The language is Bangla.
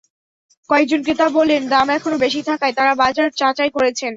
কয়েকজন ক্রেতা বললেন, দাম এখনো বেশি থাকায় তাঁরা বাজার যাচাই করছেন।